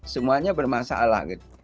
semuanya bermasalah gitu